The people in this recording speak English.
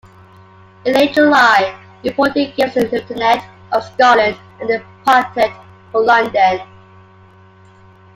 In late July he appointed Gaveston Lieutenant of Scotland, and departed for London.